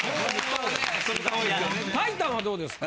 タイタンはどうですか？